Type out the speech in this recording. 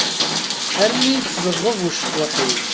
Armi yettzeɣɣeb ucekkuḥ-iw.